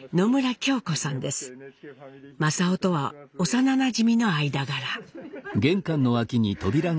正雄とは幼なじみの間柄。